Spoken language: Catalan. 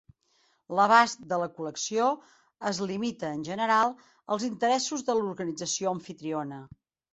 L'abast de la col·lecció es limita en general als interessos de l'organització amfitriona.